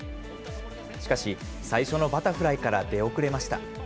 しかし、最初のバタフライから出遅れました。